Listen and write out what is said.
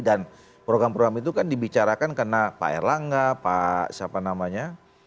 dan program program itu kan dibicarakan karena pak erlangga pak siapa namanya